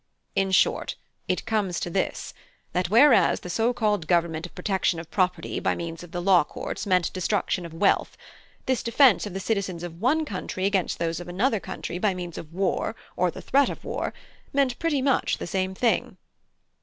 (H.) In short, it comes to this, that whereas the so called government of protection of property by means of the law courts meant destruction of wealth, this defence of the citizens of one country against those of another country by means of war or the threat of war meant pretty much the same thing.